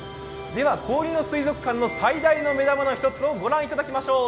では、氷の水族館の最大の目玉の一つを御覧いただきましょう。